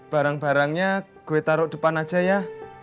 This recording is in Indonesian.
barang barangnya gue taruh depan aja ya